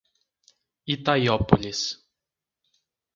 Itaiópolis